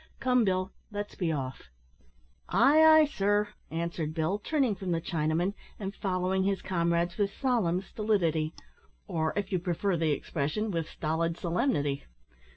"Come, Bill, let's be off." "Ay, ay, sir," answered Bill, turning from the Chinaman and following his comrades with solemn stolidity, or, if you prefer the expression, with stolid solemnity.